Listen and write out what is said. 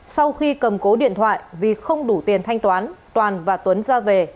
sau khi cầm cố điện thoại vì không đủ tiền thanh toán toàn và tuấn ra về